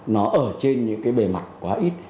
nó ở trên những cái bề mặt quá ít